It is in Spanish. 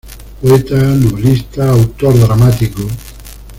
Poeta, novelista, autor dramático.